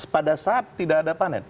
pada saat tidak ada panen